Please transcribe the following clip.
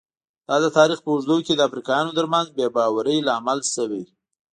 دا د تاریخ په اوږدو کې د افریقایانو ترمنځ بې باورۍ لامل شوي.